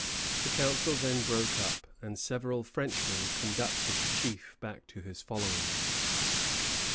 The council then broke up, and several Frenchmen conducted the chief back to his followers.